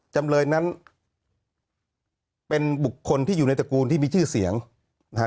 จำเลยนั้นเป็นบุคคลที่อยู่ในตระกูลที่มีชื่อเสียงนะฮะ